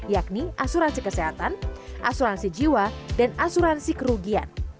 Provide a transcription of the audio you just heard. yakni asuransi kesehatan asuransi jiwa dan asuransi kerugian